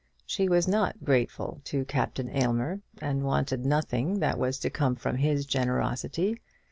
She was not grateful to Captain Aylmer, and wanted nothing that was to come from his generosity.